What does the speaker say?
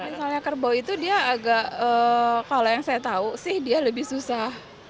misalnya kerbau itu dia agak kalau yang saya tahu sih dia lebih susah